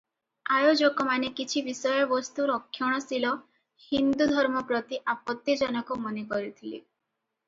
ଆୟୋଜକମାନେ କିଛି ବିଷୟବସ୍ତୁ ରକ୍ଷଣଶୀଳ ହିନ୍ଦୁ ଧର୍ମ ପ୍ରତି ଆପତ୍ତିଜନକ ମନେକରିଥିଲେ ।